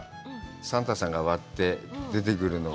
サンタさんが割って出てくるの。